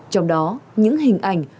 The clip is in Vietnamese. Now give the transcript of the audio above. trong đó những hình ảnh